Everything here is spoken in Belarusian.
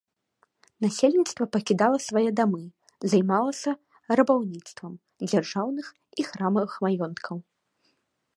Насельніцтва пакідала свае дамы, займалася рабаўніцтвам дзяржаўных і храмавых маёнткаў.